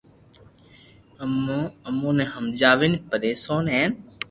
امو اوني ھمجاوين پريݾون ھين